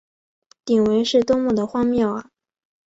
鼎文是多么地荒谬啊！